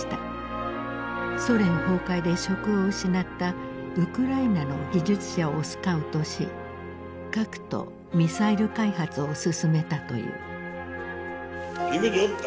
ソ連崩壊で職を失ったウクライナの技術者をスカウトし核とミサイル開発を進めたという。